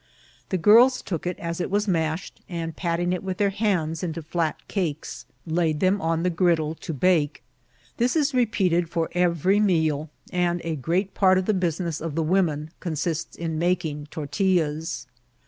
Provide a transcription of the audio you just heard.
The girls took it as it was mashed, and patting it with their hands into flat cakes, laid them on the griddle to C08TLT TIMBBR. 69 bake. This is repeated for every meal, and a great part of the business of the women consists in making tortillas.